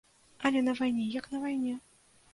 Але на вайне як на вайне.